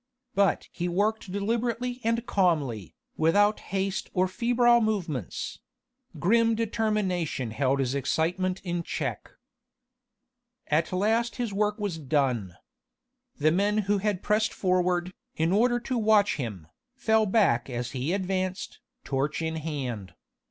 But he worked deliberately and calmly, without haste or febrile movements: grim determination held his excitement in check. At last his work was done. The men who had pressed forward, in order to watch him, fell back as he advanced, torch in hand.